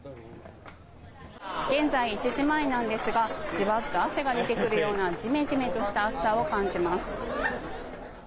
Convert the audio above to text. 現在１時前ですがじわっと汗が出てくるようなじめじめとした暑さを感じます。